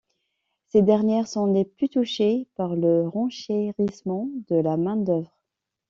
Ces dernières sont les plus touchées par le renchérissement de la main d’œuvre.